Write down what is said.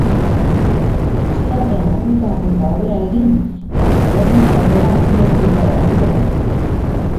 Asteartean apurka-apurka hobera egin eta eguerditik aurrera giro polita geratuko da.